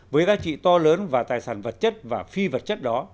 với giá trị to lớn và tài sản vật chất và phi vật chất đó